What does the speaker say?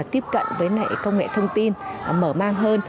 tiếp cận với công nghệ thông tin mở mang hơn